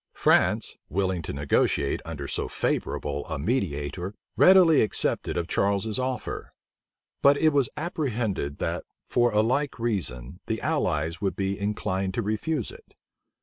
France, willing to negotiate under so favorable a mediator, readily accepted of Charles's offer; but it was apprehended that, for a like reason, the allies would be inclined to refuse it.